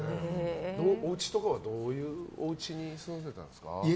おうちとかはどういうおうちに住んでたんですか？